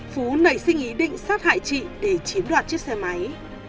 phú nảy sinh ý định sát hại chị để chiếm đoạt chiếc xe máy